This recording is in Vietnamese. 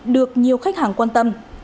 chín mươi chín được nhiều khách hàng quan tâm